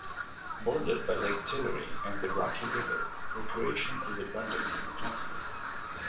Bordered by Lake Tillery and the Rocky River, recreation is abundant and plentiful.